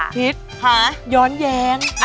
คิดย้อนแย้ง